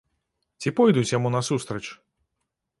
Ці пойдуць яму насустрач?